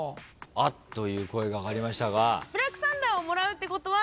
「あっ」という声が上がりましたが。